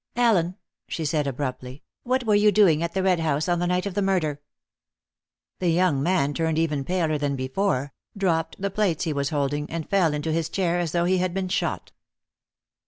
"Allen," she said abruptly, "what were you doing at the Red House on the night of the murder?" The young man turned even paler than before, dropped the plates he was holding, and fell into his chair as though he had been shot.